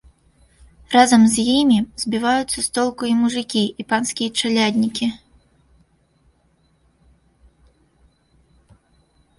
Разам з імі збіваюцца з толку і мужыкі, і панскія чаляднікі.